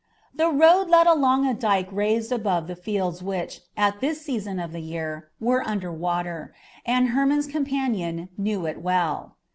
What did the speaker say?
The road led along a dike raised above fields which, at this season of the year, were under water, and Hermon's companion knew it well.